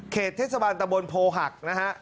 เขตเทศบันตบลโภหักนะฮะ